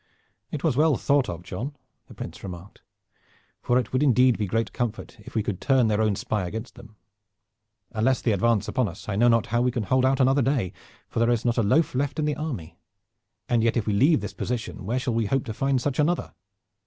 "It was well thought of, John," the Prince remarked, "for it would indeed be great comfort if we could turn their own spy against them. Unless they advance upon us, I know not how we can hold out another day, for there is not a loaf left in the army; and yet if we leave this position where shall we hope to find such another?"